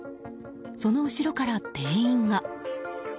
その後ろから店員が。